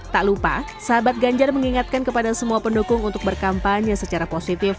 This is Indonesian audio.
tak lupa sahabat ganjar mengingatkan kepada semua pendukung untuk berkampanye secara positif